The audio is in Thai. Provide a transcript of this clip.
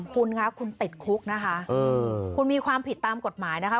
คุณคะคุณติดคุกนะคะคุณมีความผิดตามกฎหมายนะคะ